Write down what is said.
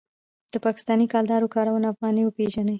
د پاکستانۍ کلدارو کارول افغانۍ وژني.